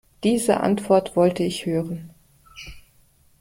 Diese Antwort wollte ich hören.